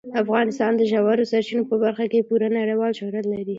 افغانستان د ژورو سرچینو په برخه کې پوره نړیوال شهرت لري.